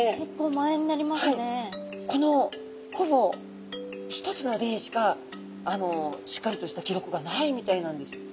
このほぼ一つの例しかしっかりとした記録がないみたいなんです。